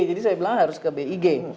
jadi saya bilang harus ke big